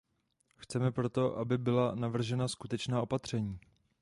Chceme proto, aby byla navržena skutečná opatření.